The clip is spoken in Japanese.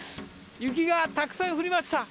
雪がたくさん降りました。